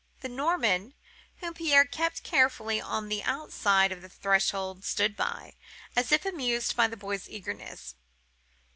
The Norman, whom Pierre kept carefully on the outside of the threshold, stood by, as if amused at the boy's eagerness.